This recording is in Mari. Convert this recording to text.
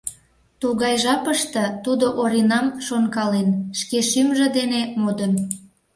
Тугай жапыште тудо Оринам шонкален, шке шӱмжӧ дене модын.